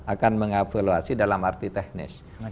akan mengavaluasi dalam arti teknis